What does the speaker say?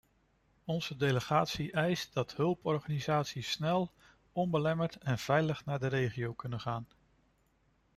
Onze delegatie eist dat hulporganisaties snel, onbelemmerd en veilig naar de regio kunnen gaan.